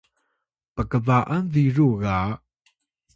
pkba’an biru ga